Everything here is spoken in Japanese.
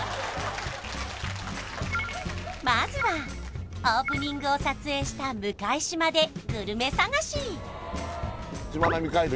まずはオープニングを撮影した向島でグルメ探ししまなみ海道